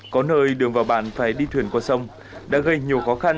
có nơi đường vào bản phải đi thuyền qua sông đã gây nhiều khó khăn